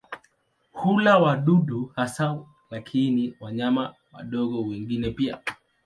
Hula wadudu hasa lakini wanyama wadogo wengine pia.